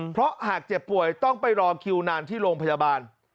เพราะหากเจ็บป่วยต้องไปรอคิวนานที่โรงพยาบาล